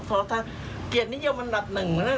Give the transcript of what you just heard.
ได้ทำเกียรตินิยมอันดับหนึ่งให้แม่เลย